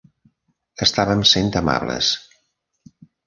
Estàvem sent amables.